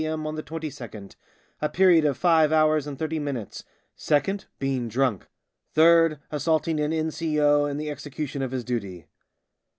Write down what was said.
m. on the 22nd, a period of five hours and thirty minutes ; second, being drunk ; third, assaulting an N.C.O. in the execution of his duty."